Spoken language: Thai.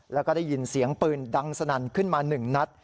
แล้วก็ได้ยินเสียงปืนดังสนั่นขึ้นมา๑นัด